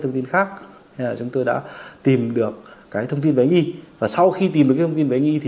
thông tin khác chúng tôi đã tìm được cái thông tin bệnh nghi và sau khi tìm được thông tin về nghi thì